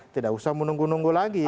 tidak usah menunggu nunggu lagi